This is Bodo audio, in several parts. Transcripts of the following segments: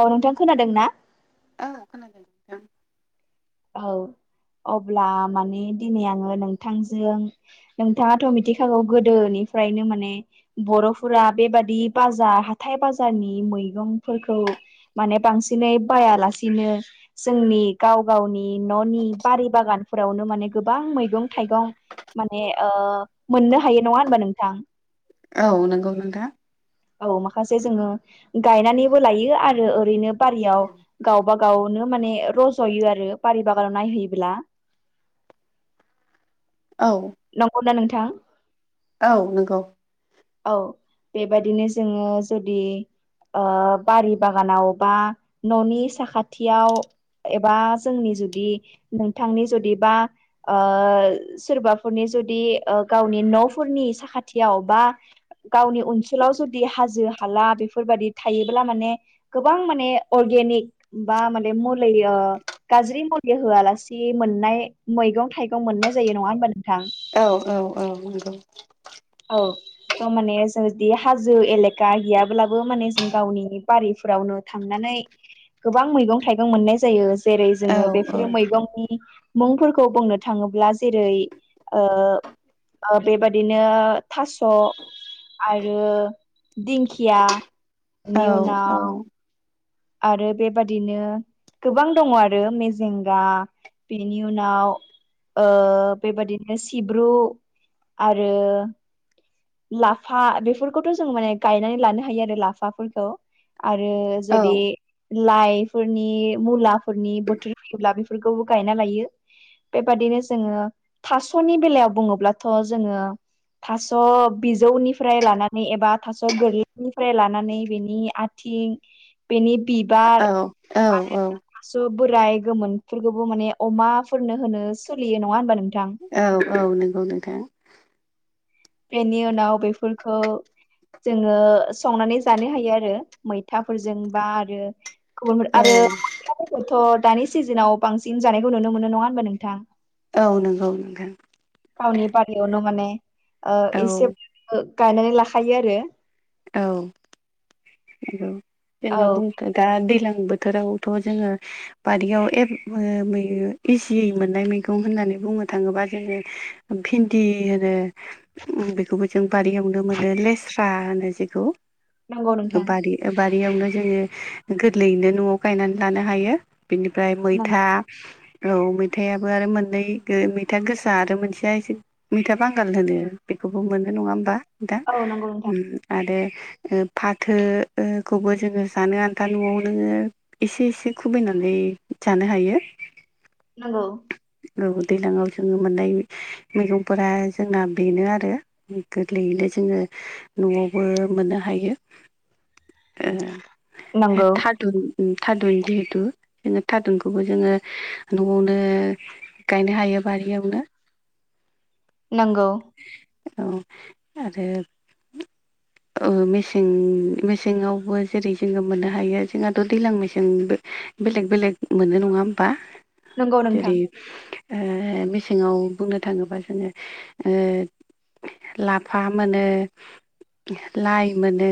औ नोंथां खोनादों ना? ओ खोनादों नोंथां। औ अब्ला माने दिनै आङो नोंथांजों नोंथाङाथ' मिथिखागौ गोदोनिफ्रायनो माने बर'फोरा बेबादि बाजार हाथाय बाजारनि मैगंफोरखौ माने बांसिनै बायालासिनो जोंनि गाव गावनि न'नि बारि बागानफोरावनो माने गोबां मैगं थाइगं माने ओ मोननो हायो नङा होमबा नोंथां। औ नंगौ नोंथा। औ माखासे जोङो गायनानैबो लायो आरो ओरैनो बारियाव गावबा गावनो माने रज'यो आ रो बारि बागानाव नायहोयोब्ला औ। नंगौना नोंथां। औ नंगौ। औ बेबायदिनो जोङो जुदि ओ बारि बागानाव बा न'नि साखाथियाव एबा जोंनि जुदि नोंथांनि जुदि बा ओ सोरबाफोरनि जुदि ओ गावनि न'फोरनि साखाथियाव बा गावनि ओनसोलाव जुदि हाजो हाला बेफोरबादि थायोब्ला माने गोबां माने अर्गेनिक बा माने मुलै ओ गाज्रि मुलि होआलासे मोननाय मैगं थाइगं मोननाय जायो नङा होमबा नोंथां। औ औ औ नंगौ। औ। थ' माने जो बे हाजो एलेखा याब्लाबो माने जों गावनि बारिफोरावनो थांनानै गोबां मैगं थाइगं मोननाय जायो जेरै औ जोङो औ बेफोरो मैगंनि मुंफोरखौ बुंनो थाङोब्ला जेरै ओ ओ बेबादिनो थास' आरो दिंखिया बिनि औ औ उनाव आरो बेबादिनो गोबां दङ' आरो मेजेंगा बिनि उनाव ओ बेबायदिनो सिब्रु आरो लाफा बेफोरखौथ' जों माने गायनानै लानो हायो आरो लाफाफोरखौ। आरो औ जुदि लाइ फोरनि मुला फोरनि बोथोर फैयोब्ला बेफोरखौबो गायना लायो। बेबादिनो जोङो थास'नि बेलायाव बुङोब्लाथ' जोङो थास' बिजौनिफ्राय लानानै एबा थास' गोरलैनिफ्राय लानानै बेनि आ थिं बेनि बिबार औ आरो औ थास' बोराय गोमोन फोरखौबो माने अमा फोरनो होनो सोलियो नङा होनबा नोंथां? औ औ नोंगौ नोंथां। बेनि उनाव बेफोरखौ जोङो संनानै जानो हायो आरो मैथाफोरजों बा आरो गुबुन औ आरो [unintelligible] फोरखौथ' दानि सिजोनाव बांसिन जानायखौ नुनो मोनो नङा होनबा नोंथां? औ नंगौ नोंथां। गावनि बारियावनो माने ओ औ एसे गायनानै लाखायो आरो। औ। नोंगौ जोंना औ बुं [unintelligible] दा दैलां बोथोरावथ' जोङो बारियाव एप ओ मै इजियै मोननाय मैगं होननानै बुंनो थाङोबा जोङो भिन्दि होनो उम बेखौबो जों बारियावनो मोनो लेस्रा होनो जेखौ नंगौ नोंथां बारि बारियावनो जोङो गोरलैयैनो न'आव गायनानै लानो हायो। बिनिफ्राय नंगौ मैथा औ मैथायाबो आरो मोननै गो मैथा गोसा आरो मोनसिया एसे मैथा बांगाल होनो बेखौबो मोनो नङा होमबा दा औ नंगौ नोंथां उम आरो ओ फाथो ओ खौबो जोङो जानो आन्था न'आवनो एसे एसे खुबैनानै जानो हायो। नंगौ। औ दैलांङाव जोङो मोननाय मैगंफोरा जोंना बेनो आरो। गोरलैयैनो जोङो न'आवबो मोननो हायो। ओ नंगौ थादुन उम थारुन जिहेथु जोङो थारुनखौबो जोङो न'आवनो गायनो हायो बारियावनो। नंगौ। औ आरो औ मेसें मेसेङावबो जेरै जोङो मोननो हायो जोंहाथ' दैलां मेसें बेलेग बेलेग मोनो नङा होमबा नंगौ नोंथां जेरै ओ मेसेङाव बुंनो थाङोबा जोङो ओ लाफा मोनो लाइ मोनो।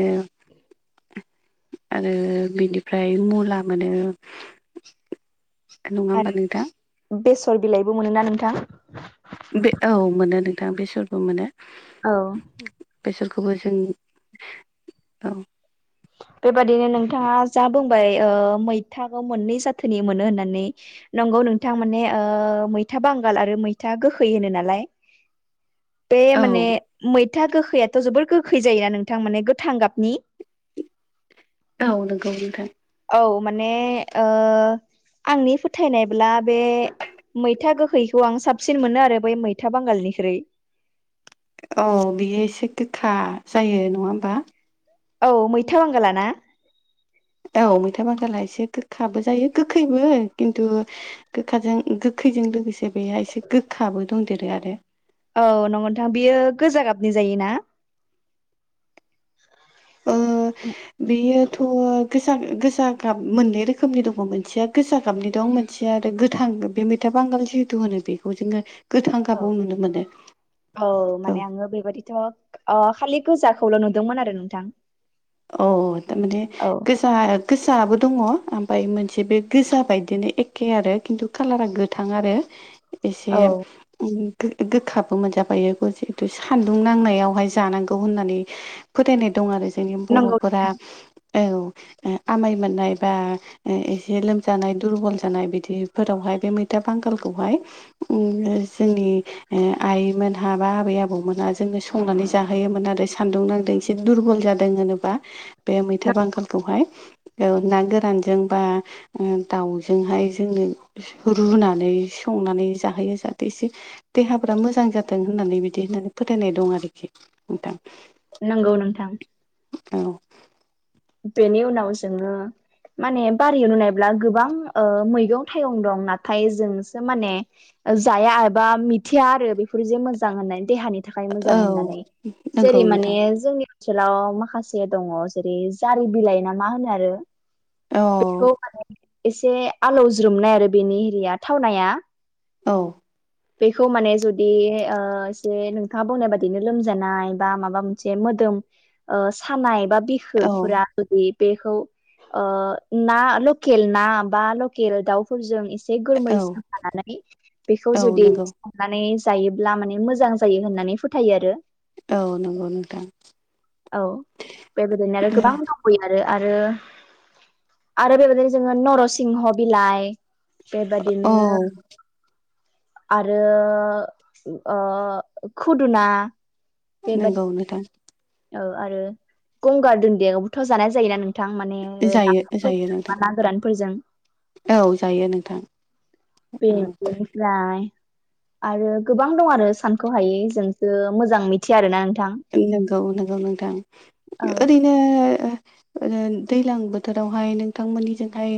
आरो बिनिफ्राय मुला मोनो। नङा होमबा आरो नोंथां? बेसर बिलाइबो मोनो ना नोंथां? बे औ मोनो नोंथां बेसरबो मोनो। औ। बेसरखौबो जों औ। बेबादिनो नोंथाङा जा बुंबाय ओ मैथाखौ मोननै जाथोनि मोनो होननानै नंगौ नोंथां माने ओ मैथा बांगाल आरो मैथा गोखै होनो नालाय। [inaudible] बे औ माने मैथा गोखैयाथ' जोबोर गोखै जायोना नोंथां माने गोथां गाबनि? औ नोंगौ नोंथां। औ माने ओ आंनि फोथायनायब्ला बे मैथा गोखैखौ आं साबसिन मोनो आरो बै मैथा बांगालनिख्रुइ। औ बियो एसे गोखा जायो नङा होमबा? औ मैथा बांगाला ना? औ मैथा बागांला एसे गोखाबो जायो गोखैबो खिन्थु गोखाजों गोखैजों लोगोसे बेहाय एसे गोखाबो दंदेरो आरो। औ नंगौ नोंथां बियो गोजा गाबनि जायोना? ओ बेयोथ' गोजा गोजा गाब मोननै रोखोमनि दङ मोनसेया गोजा गाबनि दं मोन सेया आरो गोथां बे मैथा बांगाल जिहेथु होनो बेखौ जोङो गोथां औ गाबाव नुनो मोनो। औ माने आङो बेबायदिथ' खालि गोजाखौल' नुदोंमोन आरो नोंथां। अ थारमाने औ गोज जा गोजाबो दङ ओमफ्राय मोनसे बे गोजा बायदिनो एखे आरो खिन्थु कालारा गोथां आरो। [inaudible] एसे गोखाबो मोनजाफायो जिहेथु सान्दुं नांनायावहाय जानांगौ होननानै फोथायनाय दं आरो जोंनि नंगौ बर'फोरा [inaudible] आमाइ मोननाय बा एसे लोमजानाय दुरबल जानाय बिदिफोरावहाय बे मैथा बांगालखौहाय ओ जोंनि आइमोनहा बा आबै आबौमोनहा जोङो संनानै जाहोयोमोन आरो सान्दुं नांदों ए दुरबल जादों होनोबा बे मैथा बांगालखौहाय औ ना गोरानजों बा दाउजोंहाय जोंनो रुनानै संनानै जाहोयो जाहाथे इसे देहाफोरा मोजां जाथों होननानै बिदि होननानै फोथायनाय दं आरोखि नोंथां। नंगौ नोंथां। औ। बेनि उनाव जोङो माने बारियाव लुनायब्ला गोबां मैगं थाइगं दं नाथाय जोंसो माने जाया एबा मिथिया आरो बेफोर जे मोजां होननानै देहानि थाखाय मोजां औ होननानै नंगौ जेरै माने नोंथां जोंनि ओनसोलाव माखासे दङ जेरै जारि बिलाइ ना मा होनो आरो औ बेखौ माने एसे आलौज्रोमनाय आरो बेनि एरिया थावनाया औ। बेखौ माने ओ जुदि एसे नोंथाङा बुंनाय बादिनो लोमजानाय बा माबा मोनसे मोदोम ओ सानाय बा औ बिखोफोरा जुदि बेखौ ओ ना लकेल ना बा लकेल दाउफोरजों एसे बे गोमै औ सिनखा नालाय खौ औ जुदि नंगौ संनानै जायोब्ला माने मोजां जायो होननानै फोथायो आरो औ नंगौ नोंथां। औ बेबायदिनो आरो गोबां दं आरो आरो आरो बेबायदिनो जोङो नर' सिंह बिलाइ औ बेबादिनो आरो ओ खुदुना बेबादि नोंगौ नोंथां। औ आरो गंगार दुन्दियाखौबोथ' जानाय जायोना नोंथां माने जायो जायो नामफोरजों नोंथां बा ना गोरानफोरजों औ जायो नोंथां। औ पेन्ट बेनिफ्राय आरो गोबां दं आरो सानख'हायै जोंसो मोजां मिथिया आरोना नोंथां। ओं नंगौ-नंगौ नोंथां ओरैनो ओ ओ दैलां बोथोरावहाय नोंथांमोननिजोंहाय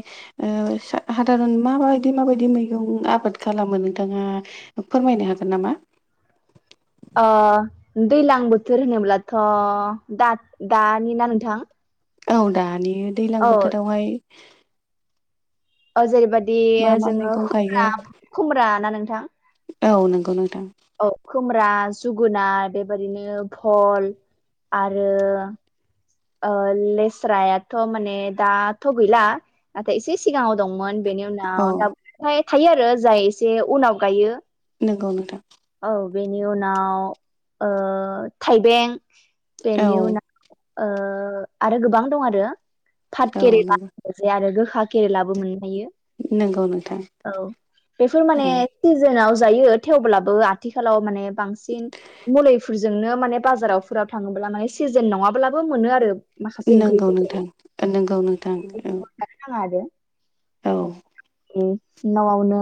ओ हादारन माबायदि माबायदि मैगं आबाद खालामो नोंथाङा फोरमायनो हागोन नामा। ओ दैलां बोथोर होनोब्लाथ' दा दानि ना नोंथां औ दानि दैज्लां औ बोथोरावहाय ओ जेरैबायदि मा मा जोङो मैगं गायो खुमब खुमब्रा ना नोंथां औ नंगौ नोंथां। औ खुमब्रा जोगोनार बेबायदिनो भल आरो ओ लेस्रायाथ' माने दाथ' गैला। नाथाय एसे सिगाङाव दंमोन बेनि औ उनाव दाओमफ्राय थायो आरो जाय एसे उनाव गायो। नोंगौ नोंथां। औ बेनि उनाव ओ थाइबें औ बेनि उनाव ओ आरो गोबां दं आरो औ फाथकेरेला नंगौ जे आरो गोखा केरेलाबो मोननो हायो नंगौ नोंथां औ बेफोर माने औ सिजोनाव जायो थेवब्लाबो आथिखालाव माने बांसिन मुलिफोरजोंनो माने बाजारावफोराव थाङोब्ला माने सिजेन नङाब्लाबो मोनो आरो। माखासे नंगौ ओंख्रिफोरखौ नोंथां नंगौ नोंथां औ। जानो नाङा आरो औ उम न'आवनो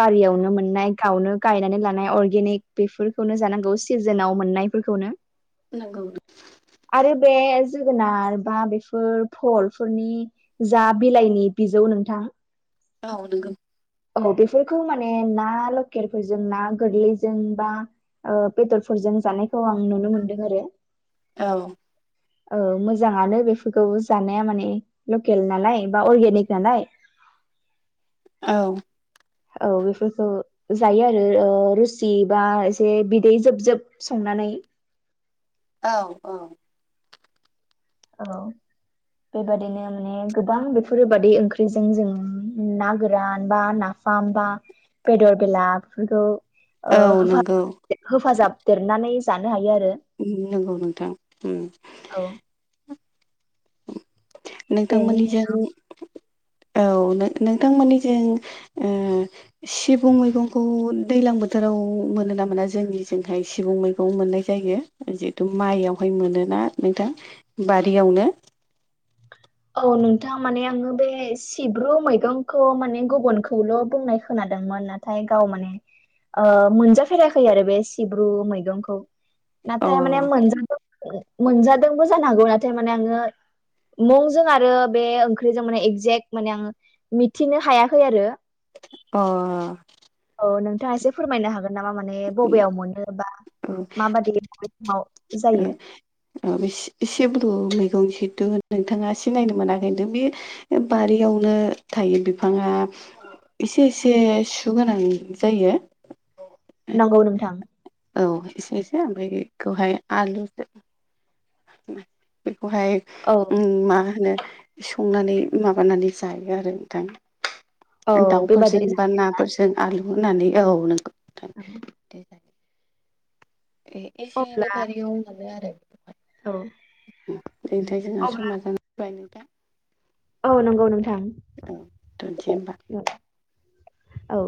बारियावनो मोननाय गावनो गायनानै ला माने अर्गेनिक बेफोरखौनो जानांगौ सिजोनाव मोननायफोरखौनो नोंगौ आरो बे जोगोनार बा बेफोर फलफोरनि जा बिलाइनि बिजौ नोंथां। औ नोंगौ औ बेफोरखौ माने ना लकेलफोरजों ना गोरलैजों बा ओ बेदरफोरजों जानायखौ आं नुनो मोनदों आरो। औ औ मोजाङानो बेफोरखौ जानाया माने लकेल नालाय बा अर्गेनिक नालाय। औ औ बेफोरखौ जायो आरो ओ रुसि बा एसे बिदै जोबजोब संनानै औ औ। औ बेबायदिनो माने गोबां बेफोरबादि ओंख्रिजों जों ना गोरान बा ना फाम बा बेदर बेला बेफोरखौ ओ औ नंगौ होफा-होेफाजाबदेरनानै जानो हायो आरो उम नोंगौ नोंथां उम औ बेनि नोंथांमोननिजों औ नोंथांमोननिजों ओ सिबुं मैगंखौ दैज्लां बोथोराव मोनो ना मोना जोंनिजोंहाय सिबुं मैगं मोननाय जायो। जिहेथु माइआवहाय मोनोना नोंथां बारियावनो औ नोंथां माने आङो बे सिब्रु मैगंखौ माने गुबुनखौल' बुंनाय खोनादोंमोन ना नाथाय गाव माने मोनजाफेराखै आरो बे सिब्रु मैगंखौ। अ नाथाय माने मोनजादों मोनजादोंबो जानो हागौ नाथाय माने आङो मुं जों आरो बे ओंख्रिजों माने एक्जेक्ट माने आङो मिथिनो हायाखै आरो अ औ नोंथाङा एसे फोरमायनो हागोन नामा माने बबेयाव मोनो बा माबाददि बे औ जायो उम एस-ए सेब्रु मैगं सद नोंथाङा सिनायनो मोनाखैथ बे बारियावनो थायो बिफाङा एसे एसे सुगोनां जायो नंगौ नोंथां औ एसे एसे ओमफ्राय बेखौहाय आलु बेखौहाय औ उम मा होनो संनानै माबानानै जायो आरो नोंथां औ दाउफोरजों बेबादिनो बा नाफोरजों आलु होनानै औ नों औ ए-एसे एनै बारियाव मोनो आरो औ ओरैफ्राय जोंहा समा जानानै बाय दा औ नंगौ नोंथां औ दोनसै होमबा औ औ